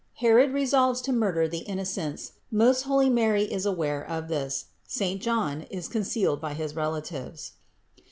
HEROD RESOLVES TO MURDER THE INNOCENTS : MOST HOLY MARY IS AWARE OF THIS. SAINT JOHN IS CON CEALED BY HIS RELATIVES.